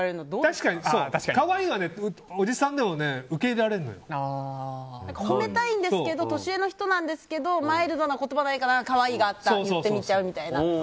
確かに、可愛いはおじさんでもほめたいんですけど年上の人なんですけどマイルドな言葉ないかな可愛いがあった言ってみちゃうみたいな。